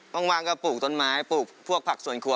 ว่างก็ปลูกต้นไม้ปลูกพวกผักส่วนครัว